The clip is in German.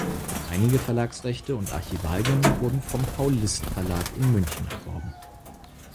Einige Verlagsrechte und Archivalien wurden vom Paul List Verlag in München erworben.